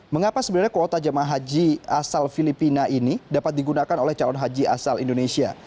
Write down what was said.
mengapa sebenarnya kuota jemaah haji asal filipina ini dapat digunakan oleh calon haji asal indonesia